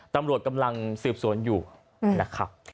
ตำรวจกำลังสืบสวนอยู่นะครับ